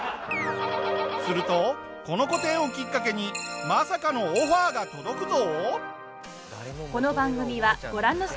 するとこの個展をきっかけにまさかのオファーが届くぞ！